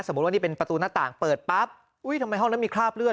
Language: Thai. ว่านี่เป็นประตูหน้าต่างเปิดปั๊บอุ้ยทำไมห้องนั้นมีคราบเลือด